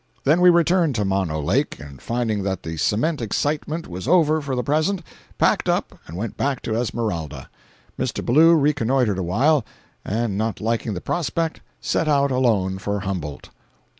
Then we returned to Mono Lake, and finding that the cement excitement was over for the present, packed up and went back to Esmeralda. Mr. Ballou reconnoitred awhile, and not liking the prospect, set out alone for Humboldt.